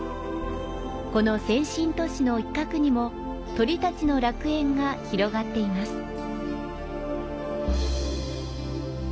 この先進都市の一画にも鳥たちの楽園が広がっています。